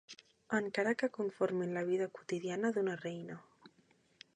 Encara que conformin la vida quotidiana d'una reina.